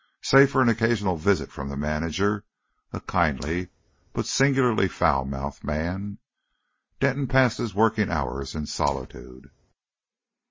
Save for an occasional visit from the manager, a kindly but singularly foul mouthed man, Denton passed his working hours in solitude.